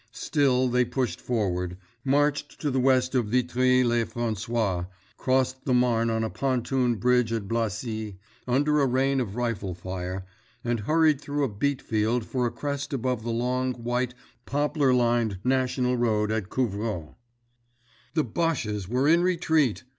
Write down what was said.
Still they pushed forward, marched to the west of Vitry le François, crossed the Marne on a pontoon bridge at Blacy under a rain of rifle fire, and hurried through a beet field for a crest above the long, white, poplar lined national road at Couvrol. The "Bosches" were in retreat!